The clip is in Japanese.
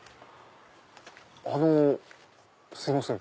あのすいません